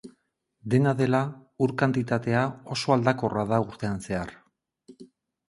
Dena dela, ur kantitatea oso aldakorra da urtean zehar.